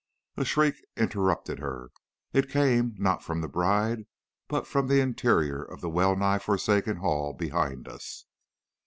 "A shriek interrupted her. It came, not from the bride, but from the interior of the well nigh forsaken hall behind us.